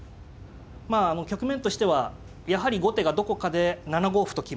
まああの局面としてはやはり後手がどこかで７五歩と来ます。